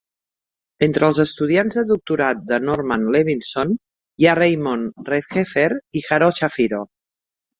Entre els estudiants de doctorat de Norman Levinson hi ha Raymond Redheffer i Harold Shapiro.